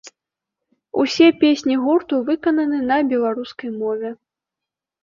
Усе песні гурту выкананы на беларускай мове.